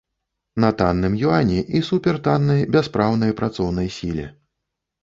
На танным юані і супертаннай, бяспраўнай працоўнай сіле.